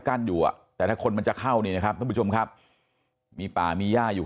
กั้นอยู่อ่ะแต่ถ้าคนมันจะเข้านี่นะครับมีป่ามีย่าอยู่